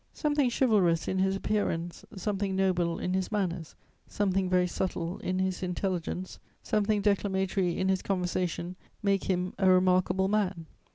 Something chivalrous in his appearance, something noble in his manners, something very subtle in his intelligence, something declamatory in his conversation make him a remarkable man.